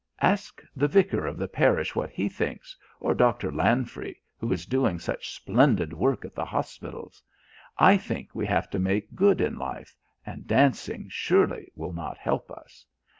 Ask the vicar of the parish what he thinks, or Doctor Lanfry, who is doing such splendid work at the hospitals. I think we have to make good in life, and dancing, surely, will not help us.